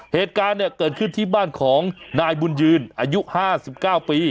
เหตุการณ์เนี่ยเกิดขึ้นที่บ้านของนายบุญยืนอายุ๕๙ปี